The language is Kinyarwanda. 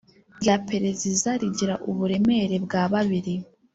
Rya pereziza rigira uburemere bwa babiri